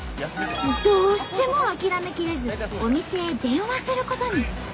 どうしても諦めきれずお店へ電話することに。